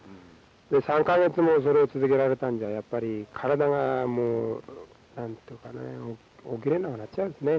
で３か月もそれを続けられたんじゃやっぱり体がもう何ていうかね起きれなくなっちゃうんですね。